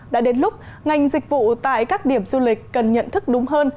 đã đến lúc ngành dịch vụ tại các điểm du lịch cần nhận thức đúng hơn